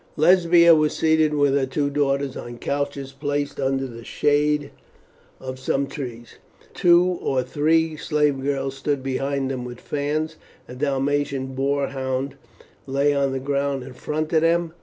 Lesbia was seated with her two daughters on couches placed under the shade of some trees. Two or three slave girls stood behind them with fans. A dalmatian bore hound lay on the ground in front of them.